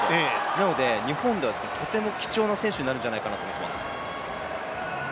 なので日本ではとても貴重な選手になるんじゃないかと思います。